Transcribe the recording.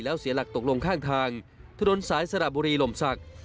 แล้วเสียหลักตกลงข้างทางถนนสายสระบุรีลมศักดิ์